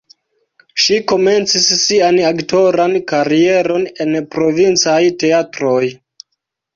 Ŝi komencis sian aktoran karieron en provincaj teatroj.